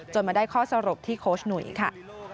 มาได้ข้อสรุปที่โค้ชหนุ่ยค่ะ